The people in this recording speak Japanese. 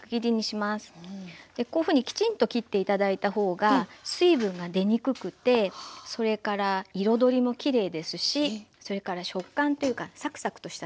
でこういうふうにきちんと切って頂いた方が水分が出にくくてそれから彩りもきれいですしそれから食感というかサクサクとした食感も楽しめます。